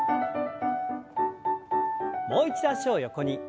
もう一度脚を横に。